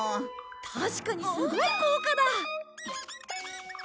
確かにすごい効果だ。